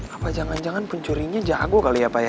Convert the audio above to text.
apa jangan jangan pencurinya jago kali ya pak ya